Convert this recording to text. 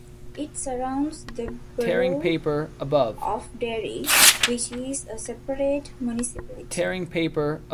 It surrounds the Borough of Derry, which is a separate municipality.